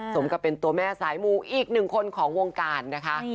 สมกับเป็นตัวแม่สายมูอีกหนึ่งคนของวงการนะคะ